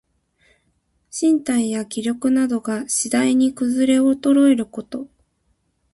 身体や気力などが、しだいにくずれおとろえること。